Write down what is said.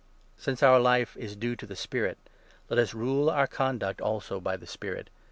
Since our Life is due to the Spirit, let us rule our conduct 25 also by the Spirit.